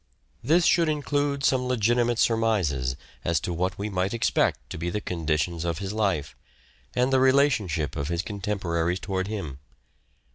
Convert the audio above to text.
This should include some legitimate surmises as to what we might expect to be the conditions of his life, and the relationship of his contemporaries towards him.